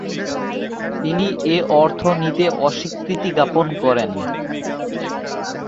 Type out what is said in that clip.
তিনি এ অর্থ নিতে অস্বীকৃতিজ্ঞাপন করেন।